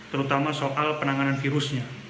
terutama soal penanganan virusnya